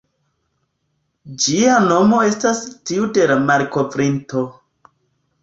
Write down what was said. Ĝia nomo estas tiu de la malkovrinto.